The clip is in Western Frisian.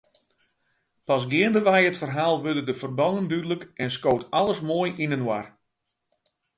Pas geandewei it ferhaal wurde de ferbannen dúdlik en skoot alles moai yninoar.